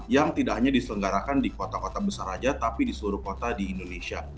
yang tidak hanya diselenggarakan di kota kota besar saja tapi di seluruh kota di indonesia